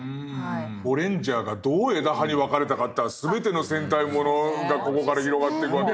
「ゴレンジャー」がどう枝葉に分かれたかって全ての戦隊ものがここから広がってくわけで。